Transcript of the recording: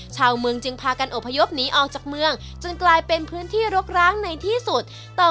ชาวเมืองจึงพากันอพยพหนีออกจากเมืองจนกลายเป็นพื้นที่รกร้างในที่สุด